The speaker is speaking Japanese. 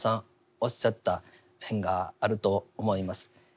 おっしゃった面があると思います。